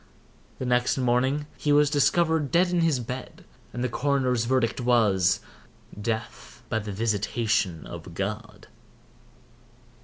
The next morning he was discovered dead in his bed, and the coroner's verdict was—"Death by the visitation of God."